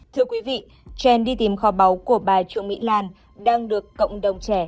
thưa quý vị gen đi tìm kho báu của bà trương mỹ lan đang được cộng đồng trẻ